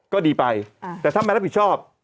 ก็ดีไปแต่ถ้าไม่รับผิดชอบ